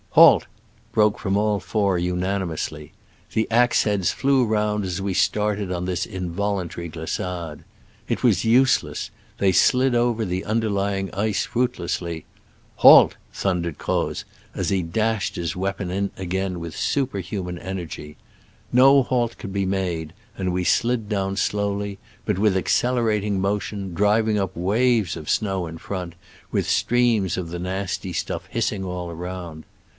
"Halt!" broke from all four unanimously. The axe heads flew round as we started on this involuntary glissade. It was useless — they slid over the underlying ice fruitlessly. "Halt!'* thundered Croz, as he dashed his wea pon in again with superhuman energy. No halt could be made, and we slid down slowly, but with accelerating mo tion, driving up waves of snow in front, with streams of the nasty stuff hissing all around.